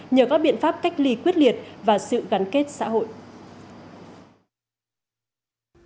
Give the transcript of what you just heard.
nhờ các biện pháp cách ly quyết liệt và sự gắn kết xã hội